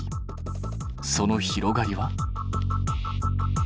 その広がりは？